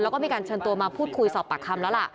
แล้วก็มีการเชิญตัวมาพูดคุยสอบปากคำแล้วล่ะ